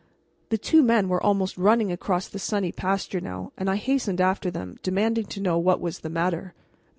The two men were almost running across the sunny pasture now, and I hastened after them, demanding to know what was the matter.